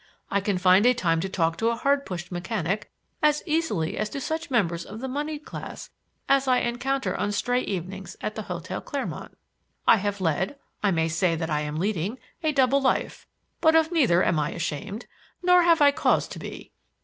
I can find time to talk to a hard pushed mechanic as easily as to such members of the moneyed class as I encounter on stray evenings at the Hotel Clermont. I have led I may say that I am leading a double life; but of neither am I ashamed, nor have I cause to be.